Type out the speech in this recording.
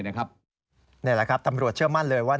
นี่แหละครับตำรวจเชื่อมั่นเลยว่า